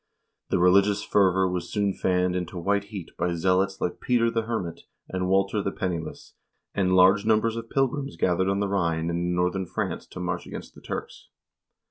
The religious fervor was soon fanned into white heat by zealots like Peter the Hermit and Walter the Penniless, and large numbers of pilgrims gathered on the Rhine and in northern France to march against the Turks.